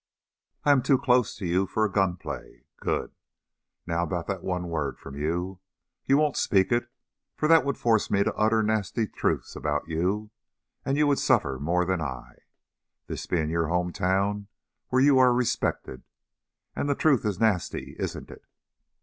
I am too close to you for a gun play. Good! Now about that one word from you. You won't speak it, for that would force me to utter nasty truths about you, and you would suffer more than I, this being your home town where you are respected. And the truth is nasty, isn't it?"